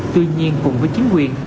tuy nhiên cùng với chính quyền